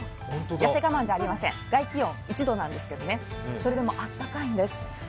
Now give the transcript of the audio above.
やせ我慢じゃありません、外気温１度なんですけどね、それでもあったかいんです。